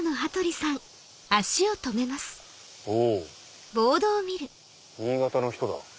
お新潟の人だ。